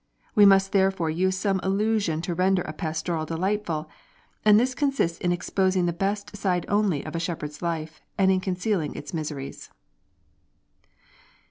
We must therefore use some illusion to render a Pastoral delightful, and this consists in exposing the best side only of a shepherd's life, and in concealing its miseries."